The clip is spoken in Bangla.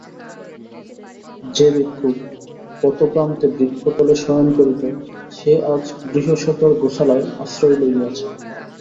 যে ভিক্ষুক পথপ্রান্তে বৃক্ষতলে শয়ন করিত সে আজ গৃহসেথর গোশালায় আশ্রয় লইয়াছে।